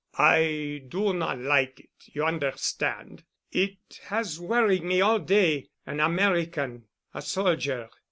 "I do not like it, you understand. It has worried me all day—an American—a soldier.